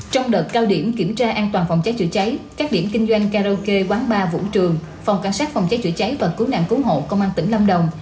trong đợt cao điểm kiểm tra an toàn phòng cháy chữa cháy các điểm kinh doanh karaoke quán bar vũ trường phòng cảnh sát phòng cháy chữa cháy và cứu nạn cứu hộ công an tỉnh lâm đồng